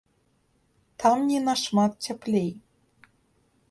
Там не нашмат цяплей.